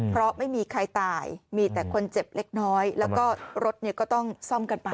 เพราะไม่มีใครตายมีแต่คนเจ็บเล็กน้อยแล้วก็รถก็ต้องซ่อมกันไป